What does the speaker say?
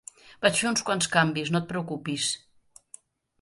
Vaig fer uns quants canvis, no et preocupis.